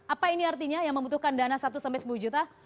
apa ini artinya yang membutuhkan dana satu sampai sepuluh juta